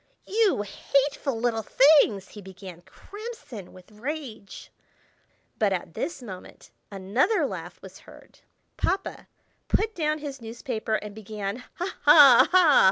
"You hateful little things!" he began, crimson with rage. But at this moment another laugh was heard. Papa put down his newspaper and began, "Ha! ha! ha!